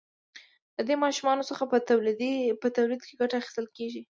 له دې ماشینونو څخه په تولید کې ګټه اخیستل کیږي.